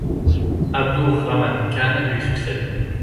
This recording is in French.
Abdur Rahman Khan lui succède.